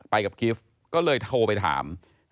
กับกิฟต์ก็เลยโทรไปถาม